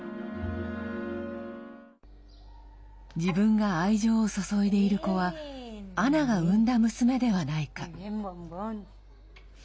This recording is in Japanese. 自分が愛情を注いでいる子はアナが産んだ娘ではないか。